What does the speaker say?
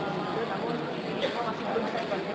namun kalau masih belum saya konten